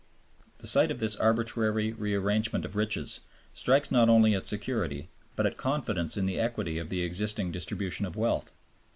The sight of this arbitrary rearrangement of riches strikes not only at security, but at confidence in the equity of the existing distribution of wealth.